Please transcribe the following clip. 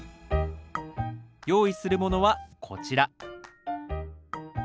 用意するものはこちら。